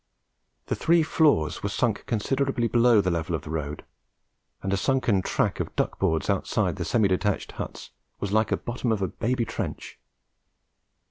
The three floors were sunk considerably below the level of the road, and a sunken track of duck boards outside the semi detached huts was like the bottom of a baby trench.